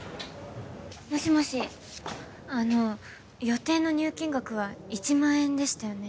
もしもしあの予定の入金額は１万円でしたよね？